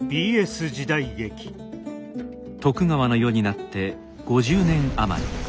徳川の世になって５０年余り。